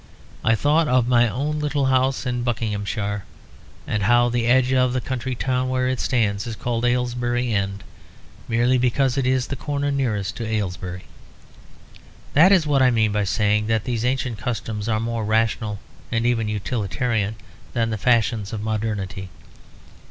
I thought of my own little house in Buckinghamshire, and how the edge of the country town where it stands is called Aylesbury End, merely because it is the corner nearest to Aylesbury. That is what I mean by saying that these ancient customs are more rational and even utilitarian than the fashions of modernity.